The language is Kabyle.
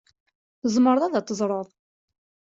Tzemreḍ ad d-teẓṛeḍ?